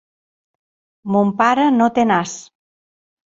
Mon pare no té nas.